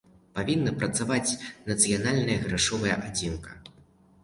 Павінна працаваць нацыянальная грашовая адзінка.